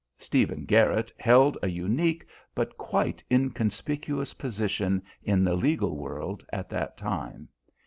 Stephen Garrit held a unique but quite inconspicuous position in the legal world at that time.